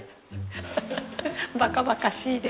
バカバカしいです。